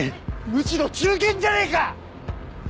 むしろ忠犬じゃねえか！